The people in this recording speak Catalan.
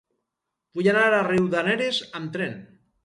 Vull anar a Riudarenes amb tren.